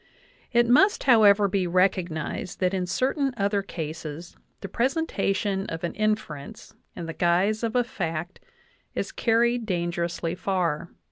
It must, however, be recognized that in certain other cases the presentation of an inference in the guise of a fact is car ried dangerously far.